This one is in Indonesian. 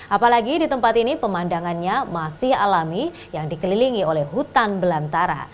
apalagi di tempat ini pemandangannya masih alami yang dikelilingi oleh hutan belantara